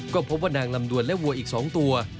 ก็พบว่านางลำดวนและวัวอีก๒ตัว